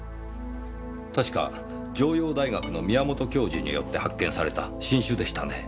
確か城陽大学の宮本教授によって発見された新種でしたね。